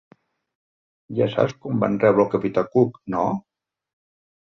Ja saps com van rebre el capità Cook, no?